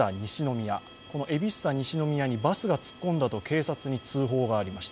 エビスタ西宮にバスが突っ込んだと警察に通報がありました。